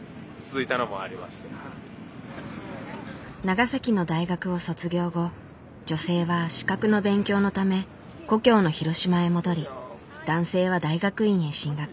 長崎の大学を卒業後女性は資格の勉強のため故郷の広島へ戻り男性は大学院へ進学。